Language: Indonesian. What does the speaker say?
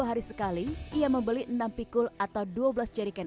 masak air masak juga